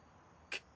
えっ？